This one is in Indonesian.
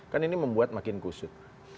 kan ini membuat makin kusut